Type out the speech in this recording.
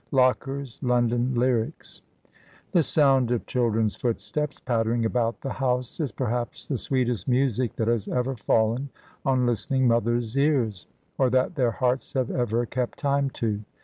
Locker's ^^ Loudon Lyrics, ^^ The sound of children's footsteps pattering about the house is perhaps the sweetest music that has ever fallen on listening mothers' ears, or that their hearts have ever kept time to.